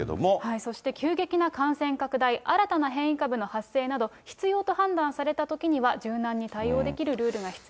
そして、急激な感染拡大、新たな変異株の発生など、必要と判断されたときなどには柔軟に対応できるルールが必要。